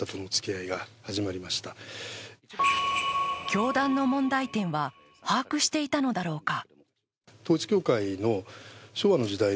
教団の問題点は把握していたのだろうか。